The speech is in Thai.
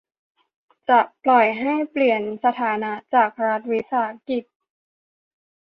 และปล่อยให้เปลี่ยนสถานะจากรัฐวิสาหกิจ